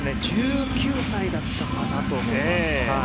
１９歳だったかなと思います。